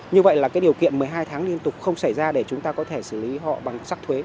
như vậy là cái điều kiện một mươi hai tháng liên tục không xảy ra để chúng ta có thể xử lý họ bằng sắc thuế